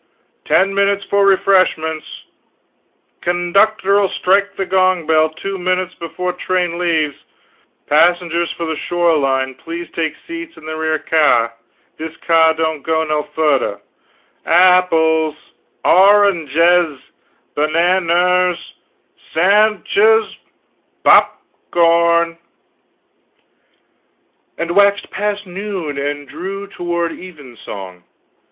ten minutes for refreshments knductr'll strike the gong bell two minutes before train leaves passengers for the Shore line please take seats in the rear k'yar, this k'yar don't go no furder ahh pls, aw rnjz, b'_nan_ners, s a n d'ches, p op corn!" "and waxed past noon and drew toward evensong.